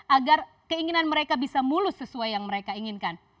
agar keinginan mereka bisa mulus sesuai yang mereka inginkan